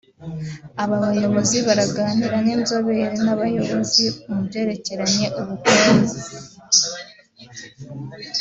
Aba bayobozi baraganira n’inzobere n’abayobozi mu byerekeranye n’ubukungu